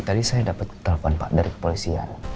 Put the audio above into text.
tadi saya dapat telepon pak dari kepolisian